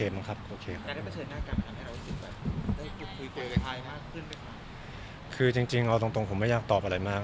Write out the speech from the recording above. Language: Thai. อย่างไรเองว่าเทศัยกายยังมากเป็นไงบ้าง